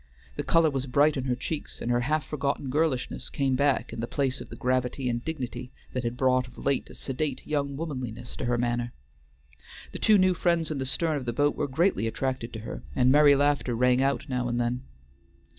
The color was bright in her cheeks, and her half forgotten girlishness came back in the place of the gravity and dignity that had brought of late a sedate young womanliness to her manner. The two new friends in the stern of the boat were greatly attracted to her, and merry laughter rang out now and then.